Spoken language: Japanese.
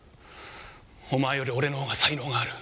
お前より俺の方が才能がある。